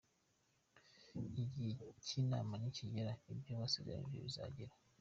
Igihe cy'Imana nikigera ibyo basezeranijwe bizagera.